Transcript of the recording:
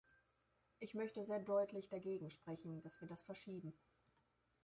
Ich möchte sehr deutlich dagegen sprechen, dass wir das verschieben.